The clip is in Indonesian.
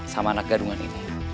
sama anak gadungan ini